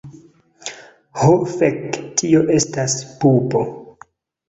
Ho fek, tio estas pupo.